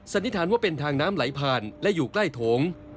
นิษฐานว่าเป็นทางน้ำไหลผ่านและอยู่ใกล้โถง